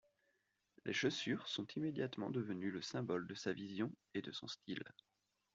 Les chaussures sont immédiatement devenues le symbole de sa vision et de son style.